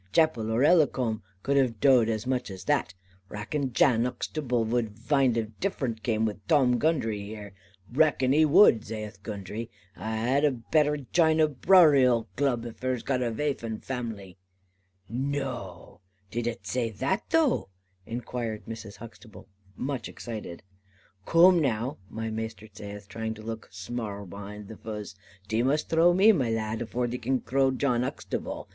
Chappell or Ellicombe cud have doed as much as that. Rackon Jan Uxtable wud vind a different game with Tom Gundry here.' 'Rackon he wud,' zaith Gundry, 'a had better jine a burial club, if her've got ere a waife and vamily.'" "Noo. Did a zay that though?" inquired Mrs. Huxtable, much excited. "'Coom now,' my maister zaith, trying to look smarl behaind the fuzz, 'thee must throw me, my lad, avore thee can throw Jan Uxtable.